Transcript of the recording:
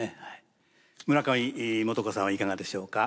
村上もとかさんはいかがでしょうか？